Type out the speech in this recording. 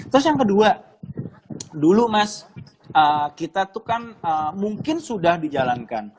terus yang kedua dulu mas kita tuh kan mungkin sudah dijalankan